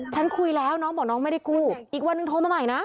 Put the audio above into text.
คุยแล้วน้องบอกน้องไม่ได้กู้อีกวันนึงโทรมาใหม่นะ